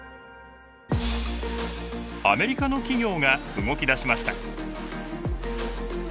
アメリカの企業が動き出しました。